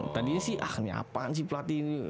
tadinya sih ah ini apaan sih pelatih ini